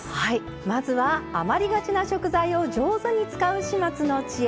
まずは「余りがちな食材」を上手に使う始末の知恵。